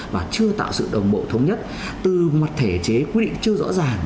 và chưa tạo sự đồng bộ thống nhất từ mặt thể chế quy định chưa rõ ràng